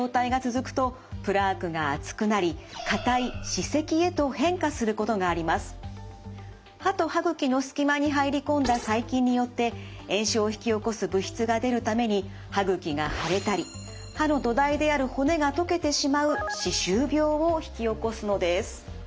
歯と歯ぐきの隙間に入り込んだ細菌によって炎症を引き起こす物質が出るために歯ぐきが腫れたり歯の土台である骨が溶けてしまう歯周病を引き起こすのです。